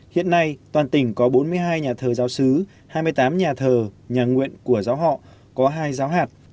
hiện nay toàn tỉnh có bốn mươi hai nhà thờ giáo sứ hai mươi tám nhà thờ nhà nguyện của giáo họ có hai giáo hạt